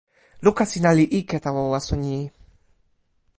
luka sina li ike tawa waso ni.